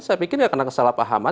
saya pikir ya karena kesalahpahaman